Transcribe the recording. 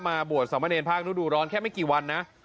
มาบวชสามนีภาคตะวัลฝากตานูดูร้อนแค่วันใช่ไหม